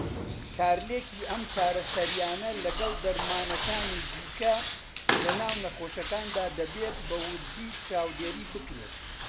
کارلێکی ئەم چارەسەریانە لەگەڵ دەرمانەکانی دیکه لەناو نەخۆشەکاندا دەبێت بە وردی چاودێری بکرێن.